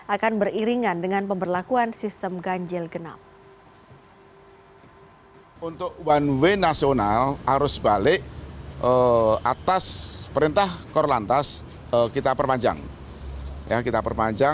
akan beriringan dengan pemberlakuan sistem ganjil genap